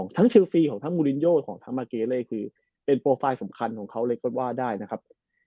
ทั้งเชลฟีมูลินโยได้เป็นโปรไฟล์สำคัญเขาเลยได้นะครับ